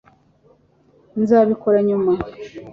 nzabikora nyuma